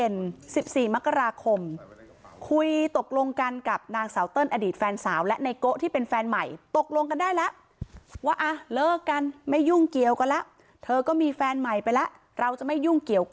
มีมือเพลิงเลยเหรอเนี่ย